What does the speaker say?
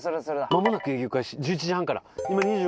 間もなく営業開始１１時半から今２５分。